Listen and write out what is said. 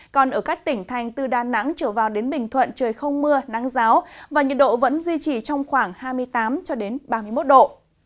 còn ở các tỉnh thành từ đà nẵng trở vào đến bình thuận trời không mưa nắng giáo và nhiệt độ vẫn duy trì trong khoảng hai mươi tám ba mươi một độ